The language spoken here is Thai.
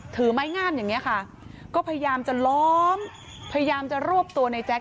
ไม้งามอย่างนี้ค่ะก็พยายามจะล้อมพยายามจะรวบตัวในแจ๊ค